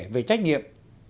về trách nhiệm